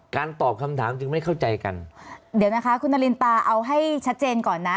ตอบคำถามจึงไม่เข้าใจกันเดี๋ยวนะคะคุณนารินตาเอาให้ชัดเจนก่อนนะ